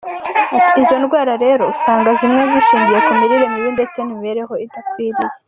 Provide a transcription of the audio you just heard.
Ati "Izo ndwara rero usanga zimwe zishingiye ku mirire mibi ndetse n’imibereho idakwiye.